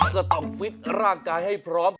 ก็ต้องฟิตร่างกายให้พร้อม